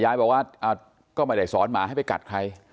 ยายบอกว่าก็ไม่ได้สอนหมาให้ไปกัดใคร